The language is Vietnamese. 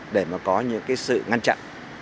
để mà có những cái sự ngăn chặn